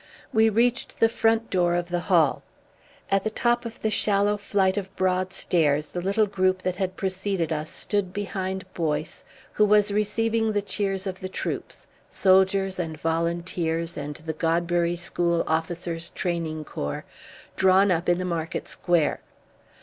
We reached the front door of the hall. At the top of the shallow flight of broad stairs the little group that had preceded us stood behind Boyce, who was receiving the cheers of the troops soldiers and volunteers and the Godbury School Officers' Training Corps drawn up in the Market Square.